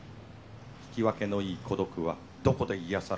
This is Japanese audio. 聞き分けのいい孤独はどこで癒やされるのか？